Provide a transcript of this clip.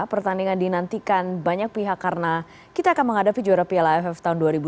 pertandingan dinantikan banyak pihak karena kita akan menghadapi juara piala aff tahun dua ribu dua puluh